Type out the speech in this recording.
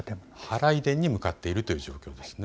祓殿に向かっているという状況ですね。